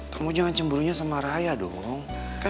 kamu jangan cemburunya sama raya dong